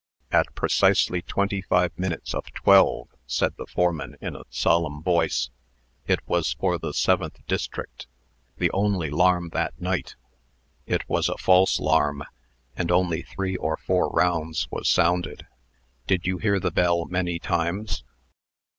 "At precisely twenty five minutes of twelve," said the foreman, in a solemn voice. "It was for the seventh district the only 'larm that night. It was a false 'larm, and only three or four rounds was sounded. Did you hear the bell many times?"